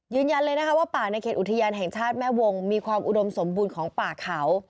ยืนยันเลยนะคะว่าป่าในเขตอุทยานแห่งชาติแม่วงมีความอุดมสมบูรณ์ของป่าเขา